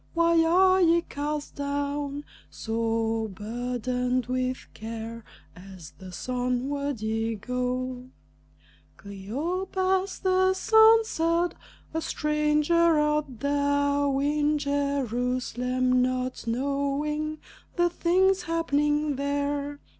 Why are ye cast down, So burdened with care, as thus onward ye go?" Cleopas thus answered, "A stranger art thou In Jerusalem, not knowing the things happening there?"